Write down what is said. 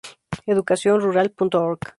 Educación Rural.Org